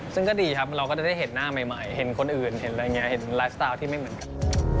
ซึ่งก็ดีครับเราก็ได้เห็นหน้าใหม่เห็นคนอื่นเห็นไลฟ์สไตล์ที่ไม่เหมือนกัน